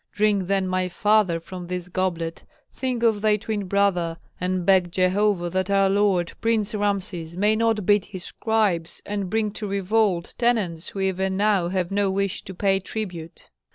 Drink then, my father, from this goblet, think of thy twin brother, and beg Jehovah that our lord, Prince Rameses, may not beat his scribes, and bring to revolt tenants who even now have no wish to pay tribute.'